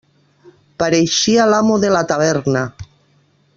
Pareixia l'amo de la taverna.